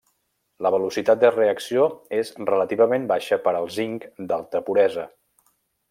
La velocitat de reacció és relativament baixa per al zinc d'alta puresa.